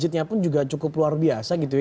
masjidnya pun juga cukup luar biasa gitu ya